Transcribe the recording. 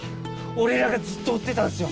俺らがずっと追ってたんすよ